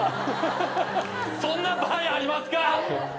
そんな場合ありますか？